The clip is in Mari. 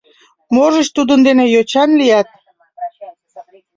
Можыч, тудын дене йочан лият.